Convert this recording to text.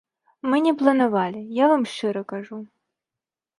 Мы не планавалі, я вам шчыра кажу.